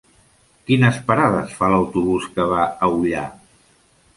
Quines parades fa l'autobús que va a Ullà?